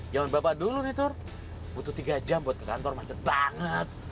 zaman bapak dulu nih tuh butuh tiga jam buat ke kantor macet banget